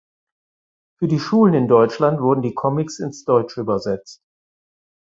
Für die Schulen in Deutschland wurden die Comics ins Deutsche übersetzt.